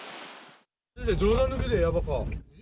冗談抜きでやばか。